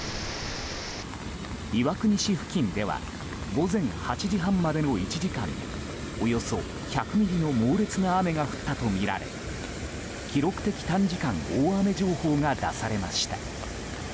岩国市付近では午前８時半までの１時間におよそ１００ミリの猛烈な雨が降ったとみられ記録的短時間大雨情報が出されました。